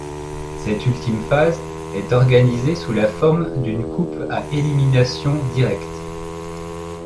Cette ultime phase est organisée sous la forme d'une coupe à élimination directe.